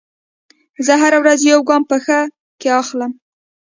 زه هره ورځ یو ګام په ښه کې اخلم.